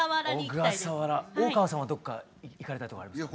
大川さんはどっか行かれたいところありますか？